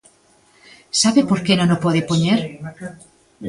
¿Sabe por que non o pode poñer?